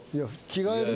着替える？